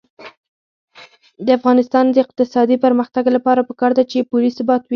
د افغانستان د اقتصادي پرمختګ لپاره پکار ده چې پولي ثبات وي.